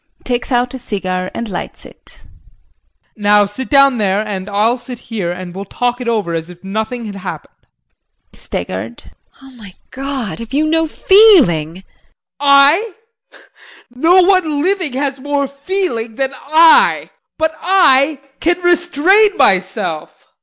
[Takes out a cigar and lights it.] Now sit down there and I'll sit here and we'll talk it over as if nothing had happened. JULIE [Staggered]. Oh, my God, have you no feeling? JEAN. I? No one living has more feeling than I but I can restrain myself.